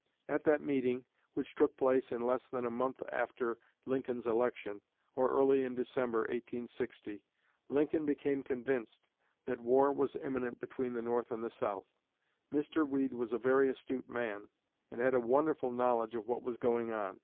At that meeting, which took place in less than a month after Lincoln's election, or early in December, 1860, Lincoln became convinced that war was imminent between the North and the South. Mr. Weed was a very astute man, and had a wonderful knowledge of what was going on.